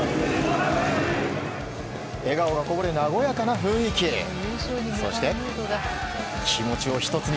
笑顔がこぼれ和やかな雰囲気に。